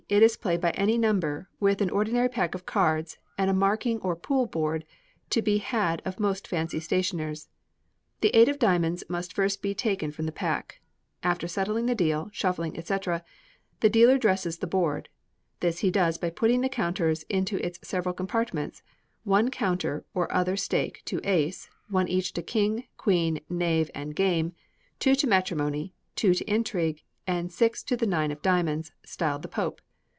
It is played by any number, with an ordinary pack of cards, and a marking or pool board, to be had of most fancy stationers. The eight of diamonds must first be taken from the pack. After settling the deal, shuffling, &c., the dealer dresses the board. This he does by putting the counters into its several compartments one counter or other stake to Ace, one each to King, Queen, Knave, and Game; two to Matrimony, two to Intrigue, and six to the nine of diamonds, styled the Pope.